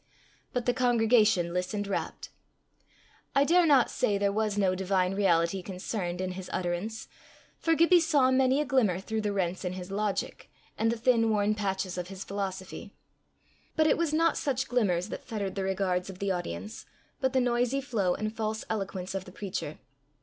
But the congregation listened rapt. I dare not say there was no divine reality concerned in his utterance, for Gibbie saw many a glimmer through the rents in his logic and the thin worn patches of his philosophy; but it was not such glimmers that fettered the regards of the audience, but the noisy flow and false eloquence of the preacher.